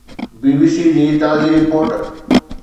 بي B C جي تازي report